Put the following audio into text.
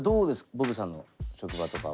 ボヴェさんの職場とかは。